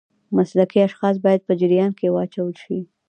مسلکي اشخاص باید په جریان کې واچول شي.